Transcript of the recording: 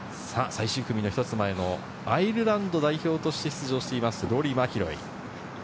最終組の１つ前、アイルランド代表として出場しているローリー・マキロイ。